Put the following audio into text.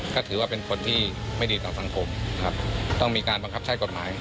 ก็ถือว่าเป็นคนที่ไม่ดีต่อสังคมครับต้องมีการบังคับใช้กฎหมาย